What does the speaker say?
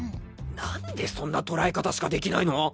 何でそんな捉え方しかできないの？